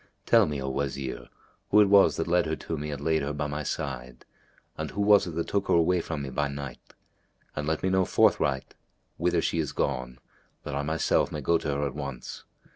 Tell me, O Wazir, who it was that led her to me and laid her by my side, and who was it that took her away from me by night; and let me know forthright whither she is gone, that I myself may go to her at once.